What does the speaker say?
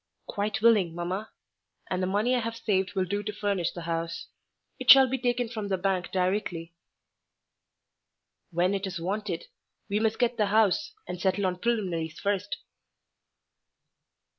"Quite willing, mamma; and the money I have saved will do to furnish the house. It shall be taken from the bank directly." "When it is wanted: we must get the house, and settle on preliminaries first."